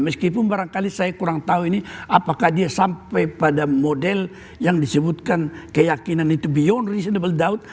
meskipun barangkali saya kurang tahu ini apakah dia sampai pada model yang disebutkan keyakinan itu beyond reasonable doub